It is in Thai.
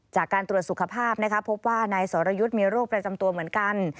จากการตรวจสุขภาพนะคะพบว่านายสรยุทธ์มีโรคประจำตัวเหมือนกัน